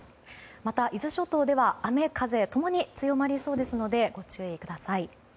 また、伊豆諸島では雨風共に強まりそうですのでご注意ください。